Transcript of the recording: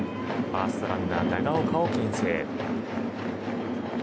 ファーストランナーの長岡を牽制。